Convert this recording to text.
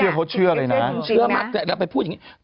เขาเชื่อแล้วผมก็ไม่พูดอย่างเงี้ย